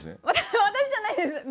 私じゃないです。